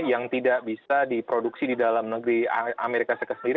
yang tidak bisa diproduksi di dalam negeri amerika serikat sendiri